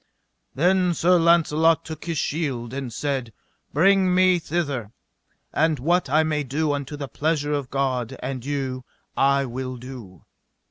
Then Sir Launcelot took his shield and said: Bring me thither, and what I may do unto the pleasure of God and you I will do.